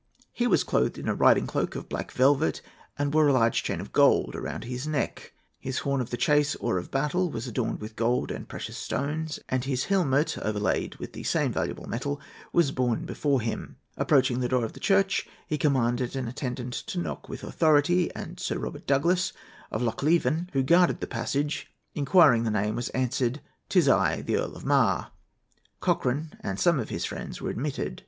He was clothed in a riding cloak of black velvet, and wore a large chain of gold around his neck; his horn of the chase, or of battle, was adorned with gold and precious stones, and his helmet, overlaid with the same valuable metal, was borne before him. Approaching the door of the church, he commanded an attendant to knock with authority; and Sir Robert Douglas, of Lochleven, who guarded the passage, inquiring the name, was answered, 'Tis I, the Earl of Mar.' Cochran and some of his friends were admitted.